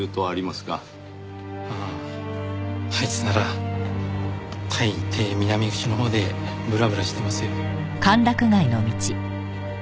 あああいつなら大抵南口のほうでぶらぶらしてますよ。